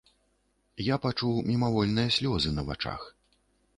Я пачуў мімавольныя слёзы на вачах.